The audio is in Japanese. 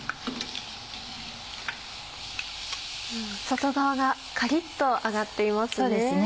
外側がカリっと揚がっていますね。